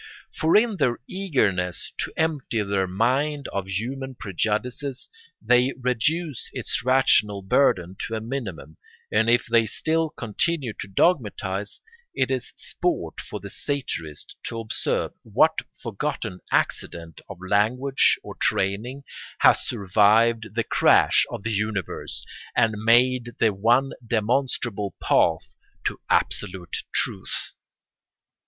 For in their eagerness to empty their mind of human prejudices they reduce its rational burden to a minimum, and if they still continue to dogmatise, it is sport for the satirist to observe what forgotten accident of language or training has survived the crash of the universe and made the one demonstrable path to Absolute Truth.